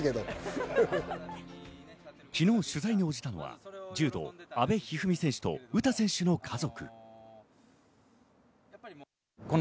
昨日、取材に応じたのは柔道、阿部一二三選手と詩選手の家族。